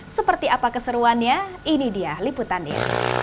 seperti apa keseruannya ini dia liputannya